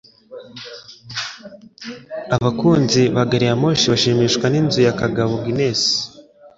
Abakunzi ba gari ya moshi bazashimishwa n'inzu ya Kagabo Guinness